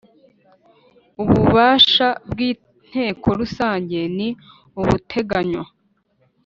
Ububasha bw inteko rusange ni ubuteganywa